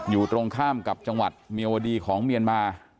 อยู่ตรงข้ามกับจังหวัดเมียวดีของเมียนมา